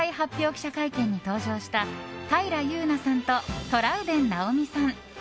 記者会見に登場した平祐奈さんとトラウデン直美さん。